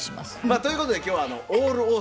ということで今日はオール大阪で。